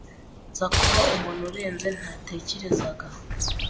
nza kuba umuntu urenze natekerezaga.